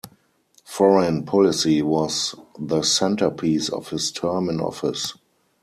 Foreign policy was the centerpiece of his term in office.